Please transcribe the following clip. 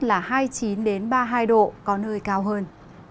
là hai mươi chín ba mươi hai độ có nơi cao hơn